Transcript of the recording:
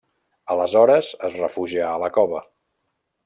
Aleshores, es refugià a la cova.